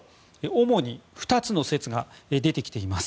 主に２つの説が出てきています。